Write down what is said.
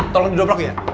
tolong duduk dulu ya